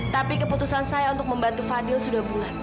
tapi keputusan saya untuk membantu fadil sudah bulat